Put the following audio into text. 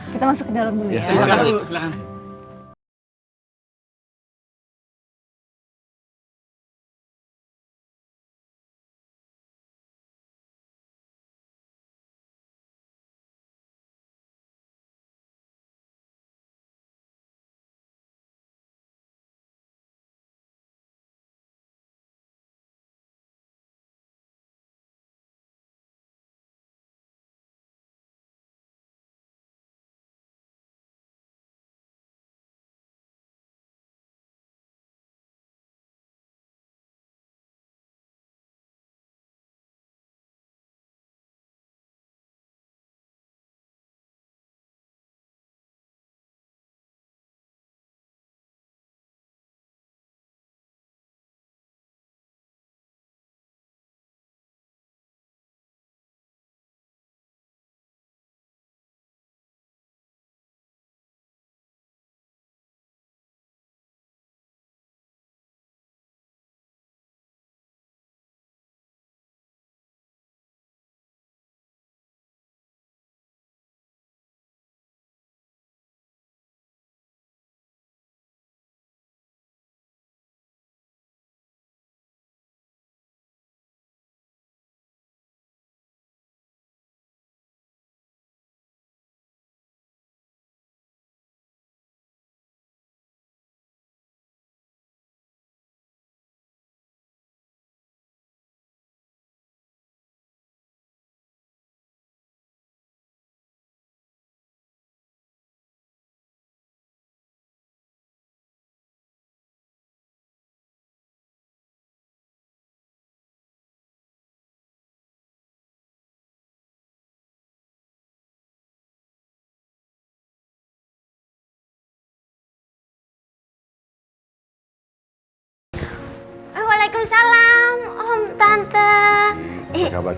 kita masuk ke dalam dulu ya